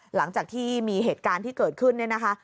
หลังจากที่มีเหตุการณ์ที่เกิดขึ้น